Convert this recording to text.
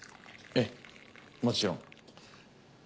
えぇもちろん。